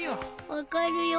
分かるよ。